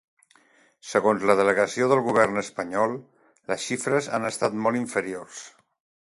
Segons la delegació del govern espanyol, les xifres han estat molt inferiors.